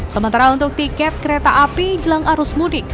sementara untuk tiket kereta api jelang arus mudik